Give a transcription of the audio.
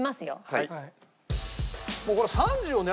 はい。